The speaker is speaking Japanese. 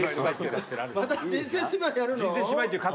また人生芝居やるの？